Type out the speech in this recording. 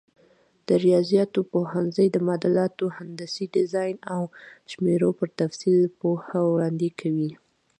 د ریاضیاتو پوهنځی د معادلاتو، هندسي ډیزاین او شمېرو پر تفصیل پوهه وړاندې کوي.